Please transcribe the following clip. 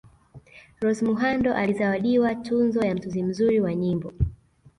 Rose Muhando alizawadiwa tuzo ya Mtunzi mzuri wa nyimbo